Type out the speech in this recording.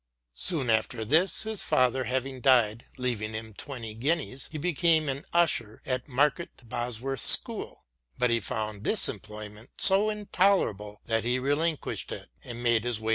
Soon after this, his father having died leaving him twenty guineas, he became an usher at Market Bosworth School. But he found this employment so intolerable that he relinquished it and made his way to * Boswell's " Life of Johnson."